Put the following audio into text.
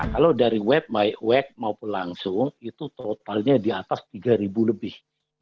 kalau dari web baik web maupun langsung itu totalnya di atas tiga lebih